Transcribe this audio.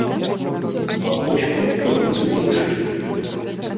А вось хутка будзе дождж.